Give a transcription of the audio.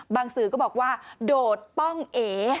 สื่อก็บอกว่าโดดป้องเอ